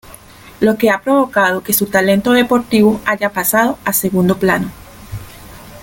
Lo que ha provocado que su talento deportivo haya pasado a segundo plano.